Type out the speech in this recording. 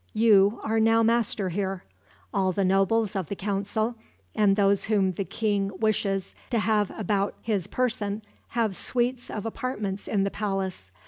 "You are now master here. All the nobles of the council, and those whom the king wishes to have about his person, have suites of apartments in the palace.